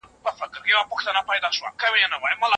ژبه باید روانه او ساده وي.